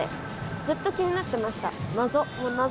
ずっと気になってました。